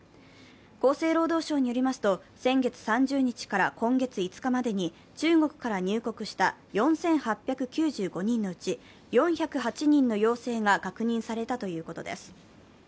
厚生労働省によりますと先月３０日から今月５日までに中国から入国した４８９５人のうち４０８人の陽性が確認されたということです。